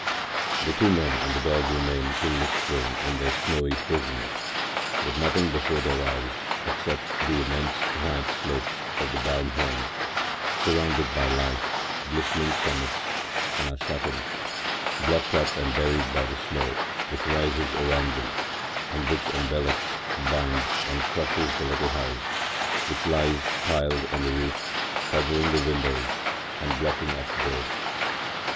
The two men and the dog remain till the spring in their snowy prison, with nothing before their eyes except the immense white slopes of the Balmhorn, surrounded by light, glistening summits, and are shut in, blocked up and buried by the snow which rises around them and which envelops, binds and crushes the little house, which lies piled on the roof, covering the windows and blocking up the door.